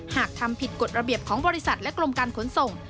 หากทำผิดกฎระเบียบของบริษัทและกรมการขนส่ง